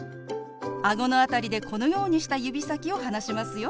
あごの辺りでこのようにした指先を離しますよ。